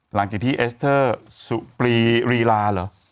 หลังจากที่เอสเตอร์สุปรีรีลาเหรอ